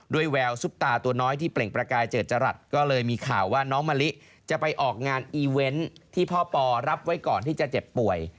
แววซุปตาตัวน้อยที่เปล่งประกายเจิดจรัสก็เลยมีข่าวว่าน้องมะลิจะไปออกงานอีเวนต์ที่พ่อปอรับไว้ก่อนที่จะเจ็บป่วย